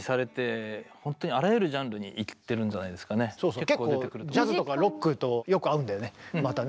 結構ジャズとかロックとよく合うんだよねまたね。